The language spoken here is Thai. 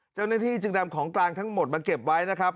เจ้าหน้าที่จึงนำของกลางทั้งหมดมาเก็บไว้นะครับ